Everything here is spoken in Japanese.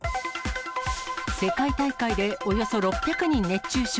世界大会でおよそ６００人熱中症。